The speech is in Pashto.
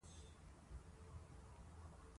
دوی د نيويارک د پنځمې کوڅې په پوهنتون کې وو.